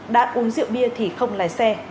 đã uống rượu bia thì không lái xe